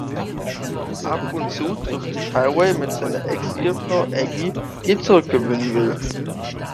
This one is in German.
Ab und zu trifft sich Highway mit seiner Ex-Ehefrau Aggie, die er zurückgewinnen will.